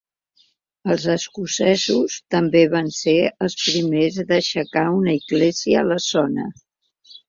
Els escocesos també van ser els primers d'aixecar una església a la zona.